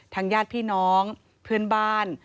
ญาติพี่น้องเพื่อนบ้าน